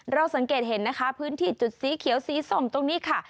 เราสังเกตเห็นนะคะพื้นที่จุดสีเขียวสีส้มตรงนี้ค่ะ